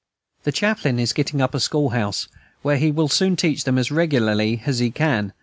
The chaplain is getting up a schoolhouse, where he will soon teach them as regularly as he can.